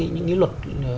những cái luật